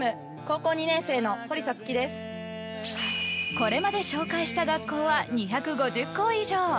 これまで紹介した学校は２５０校以上。